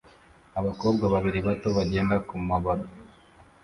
abakobwa babiri bato bagenda kumababi